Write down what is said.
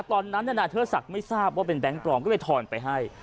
ตอนนั้นนายเทิดศักดิ์ไม่ทราบว่าเป็นแก๊งปลอมก็เลยทอนไปให้